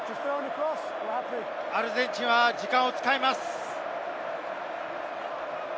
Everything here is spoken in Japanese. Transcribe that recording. アルゼンチンは時間を使います。